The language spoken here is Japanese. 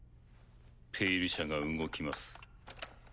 「ペイル社」が動きます。